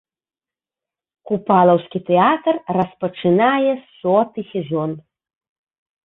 Купалаўскі тэатр распачынае соты сезон.